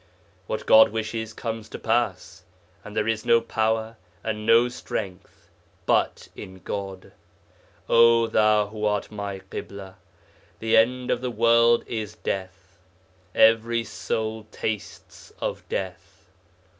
What God wishes comes to pass, and there is no power and no strength, but in God. O thou who art my Ḳibla! the end of the world is death: "every soul tastes of death."